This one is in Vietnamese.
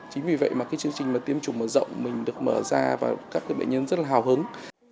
chính vì vậy mà cái chương trình tiêm chủng mở rộng mình được mở ra và các bệnh nhân rất là hào hứng